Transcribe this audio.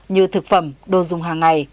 như thực phẩm đồ dùng hàng ngày